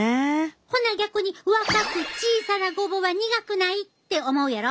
ほな逆に若く小さなごぼうは「苦くない？」って思うやろ？